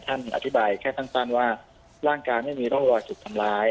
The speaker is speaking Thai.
อธิบายแค่สั้นว่าร่างกายไม่มีร่องรอยถูกทำร้าย